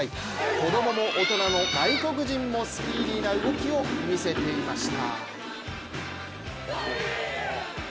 子供も大人も、外国人もスピーディーな動きを見せていました。